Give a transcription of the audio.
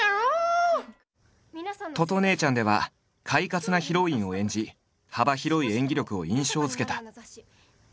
「とと姉ちゃん」では快活なヒロインを演じ幅広い演技力を印象づけた。